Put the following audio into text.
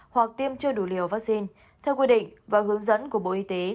hoặc tiêm chưa đủ liều vaccine theo quy định và hướng dẫn của bộ y tế